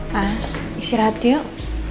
mas istirahat yuk